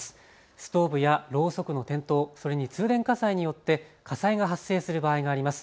ストーブやろうそくの転倒、それに通電火災によって火災が発生する場合があります。